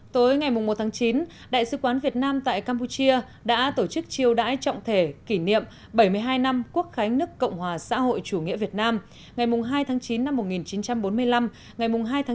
tối ngày một chín đại sứ quán việt nam tại campuchia đã tổ chức chiêu đãi trọng thể kỷ niệm bảy mươi hai năm quốc khánh nước cộng hòa xã hội chủ nghĩa việt nam ngày hai chín một nghìn chín trăm bốn mươi năm ngày hai chín hai nghìn một mươi bảy